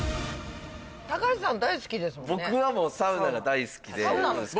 高橋さん大好きですもんね。